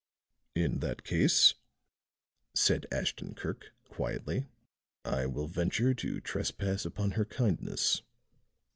"In that case," said Ashton Kirk, quietly, "I will venture to trespass upon her kindness.